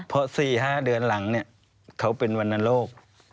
เพราะ๔๕เดือนหลังเนี่ยเขาเป็นวันนันโลก